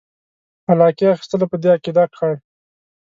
علاقې اخیستلو په دې عقیده کړ.